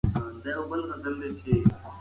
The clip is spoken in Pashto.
عادل سړی هغه څه نورو ته غواړي چې ځان ته یې خوښوي.